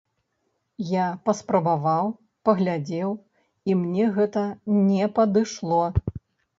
Я паспрабаваў, паглядзеў, і мне гэта не падышло.